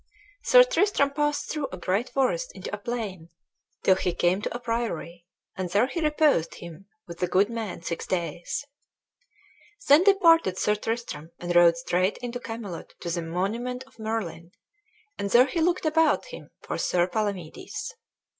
Sir Tristram passed through a great forest into a plain, till he came to a priory, and there he reposed him with a good man six days. Then departed Sir Tristram, and rode straight into Camelot to the monument of Merlin, and there he looked about him for Sir Palamedes.